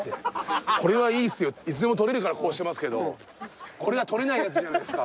いつでも取れるからこうしてますけどこれは取れないやつじゃないですか。